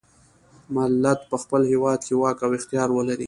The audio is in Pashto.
ملت په خپل هیواد کې واک او اختیار ولري.